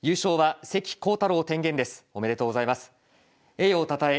栄誉をたたえ